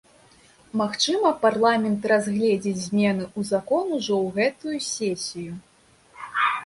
Магчыма, парламент разгледзіць змены ў закон ужо ў гэтую сесію.